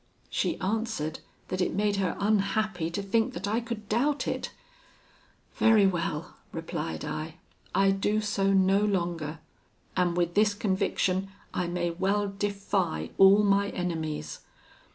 "She answered, that it made her unhappy to think that I could doubt it. "'Very well,' replied I, 'I do so no longer; and with this conviction, I may well defy all my enemies.